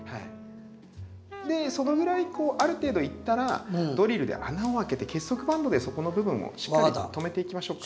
でそのぐらいある程度いったらドリルで穴を開けて結束バンドでそこの部分をしっかり留めていきましょうか。